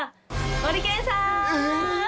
ゴリケンさん。